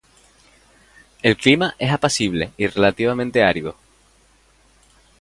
El clima es apacible y relativamente árido.